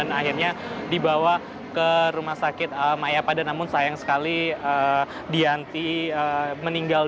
dan akhirnya dibawa ke rumah sakit mayapada namun sayang sekali dianti meninggal